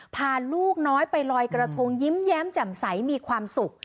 พาลูกน้อยไปลอยกระทงยิ้มแย้มแจ่มใสมีความสุข